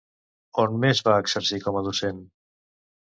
On més va exercir com a docent?